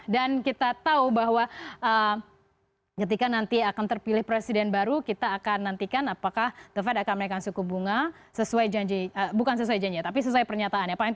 dan kita tahu bahwa ketika nanti akan terpilih presiden baru kita akan nantikan apakah the fed akan menaikan suku bunga sesuai pernyataan